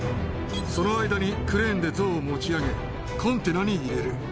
その間にクレーンでゾウを持ち上げコンテナに入れる。